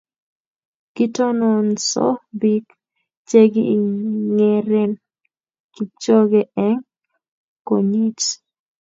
kitononso biik chegigeere kipchoge eng konyiit